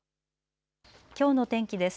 きょうの天気です。